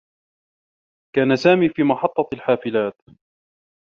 كان سامي في محطّة الحافلات.